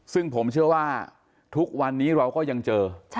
ซึ่งผมเชื่อว่าทุกวันนี้เราก็ยังเจอ